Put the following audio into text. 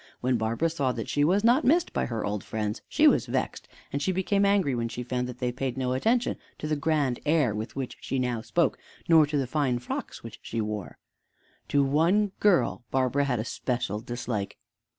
When Barbara saw that she was not missed by her old friends she was vexed, and she became angry when she found that they paid no attention to the grand air with which she now spoke nor to the fine frocks which she wore. To one girl Barbara had a special dislike.